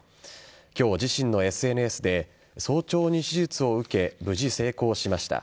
今日、自身のＳＮＳで早朝に施術を受け無事成功しました。